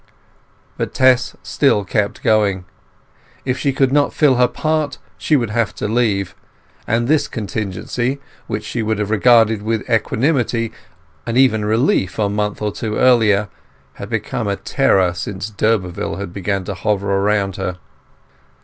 But Tess still kept going: if she could not fill her part she would have to leave; and this contingency, which she would have regarded with equanimity and even with relief a month or two earlier, had become a terror since d'Urberville had begun to hover round her.